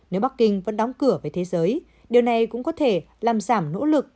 nếu bắc kinh vẫn đóng cửa về thế giới điều này cũng có thể làm giảm nỗ lực